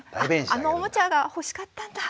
「あのおもちゃが欲しかったんだ。